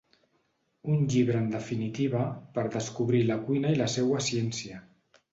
Un llibre en definitiva per descobrir la cuina i la seua ciència.